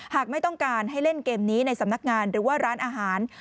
หากไม่ต้องการให้เล่นเกมนี้ในสำนักงานหรือว่าร้านอาหาร